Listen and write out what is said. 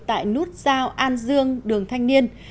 tại nút giao an dương đường thanh niên